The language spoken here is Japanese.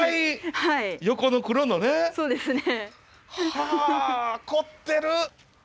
はあ凝ってる！